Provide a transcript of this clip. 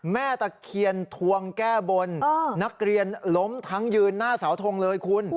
ตะเคียนทวงแก้บนนักเรียนล้มทั้งยืนหน้าเสาทงเลยคุณ